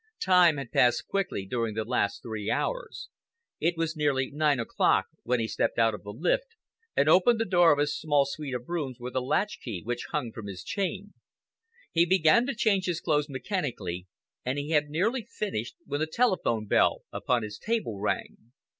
Time had passed quickly during the last three hours. It was nearly nine o'clock when he stepped out of the lift and opened the door of his small suite of rooms with the latchkey which hung from his chain. He began to change his clothes mechanically, and he had nearly finished when the telephone bell upon his table rang.